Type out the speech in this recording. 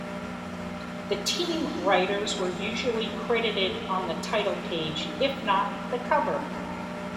The "team" writers were usually credited on the title page, if not the cover.